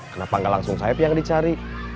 kenapa gak langsung saeb yang dicari